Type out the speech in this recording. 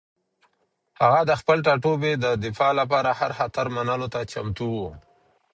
هغه د خپل ټاټوبي د دفاع لپاره هر خطر منلو ته چمتو و.